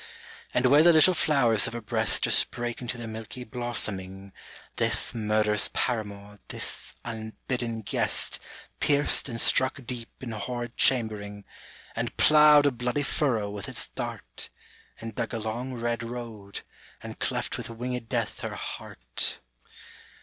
And where the little flowers of her breast Just break into their milky blossoming, This murderous paramour, this unbidden guest, Pierced and struck deep in horrid chambering, And ploughed a bloody furrow with its dart, And dug a long red road, and cleft with winggd death her heart.